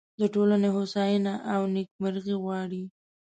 د ټولنې هوساینه او نیکمرغي غواړي.